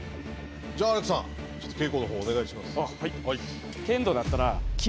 じゃあアレックさん稽古のほうをお願いします。